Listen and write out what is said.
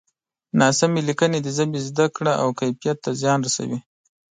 ناسمې لیکنې د ژبې زده کړه او کیفیت ته زیان رسوي.